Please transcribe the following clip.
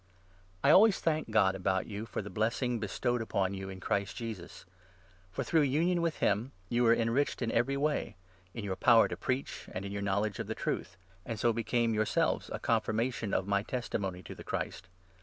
I always thank God about you for the blessing 4 ThankftHnesa bestowed upon you in Christ Jesus. For through 5 and union with him you were enriched in every way — confidence. m yOur power to preach, and in your knowledge of the Truth ; and so became yourselves a confirmation of my 6 testimony to the Christ.